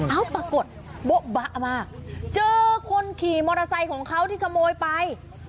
ปรากฏโบ๊ะบะมากเจอคนขี่มอเตอร์ไซค์ของเขาที่ขโมยไป